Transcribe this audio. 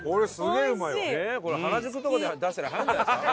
これ原宿とかで出したらはやるんじゃないですか？